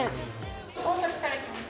大阪から来ました。